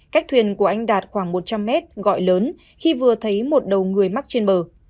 cách thuyền của anh đạt khoảng một trăm linh mét gọi lớn khi vừa thấy một đầu người mắc trên bờ